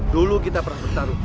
dulu kita pernah bertarung